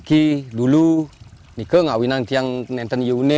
kami tidak tahu apa yang akan terjadi